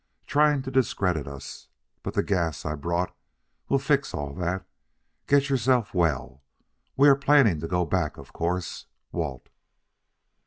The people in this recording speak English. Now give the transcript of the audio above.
Trying to discredit us, but the gas I brought will fix all that. Get yourself well. We are planning to go back, of course. Walt."